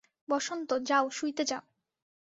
বসন্ত, যাও, শুইতে যাও।